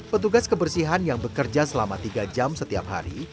petugas kebersihan yang bekerja selama tiga jam setiap hari